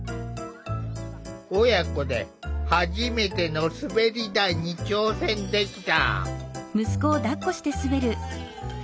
親子で初めての滑り台に挑戦できた。